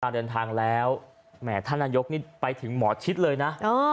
เดินทางแล้วแหมท่านนายกนี่ไปถึงหมอชิดเลยนะ